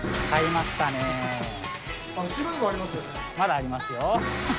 まだありますよ。